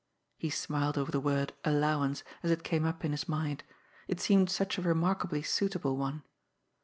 He smiled over the word " allow ance," as it came up in his mind ; it seemed such a remark ably suitable one.